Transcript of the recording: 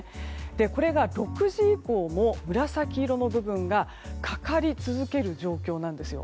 これが６時以降も紫色の部分がかかり続ける状況なんですよ。